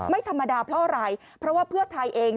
ไม่ธรรมดาเพราะอะไรเพราะว่าเพื่อไทยเอง